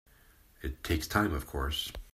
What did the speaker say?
It takes time of course.